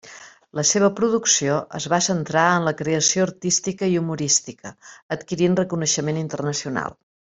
La seva producció es va centrar en la creació artística i humorística adquirint reconeixement internacional.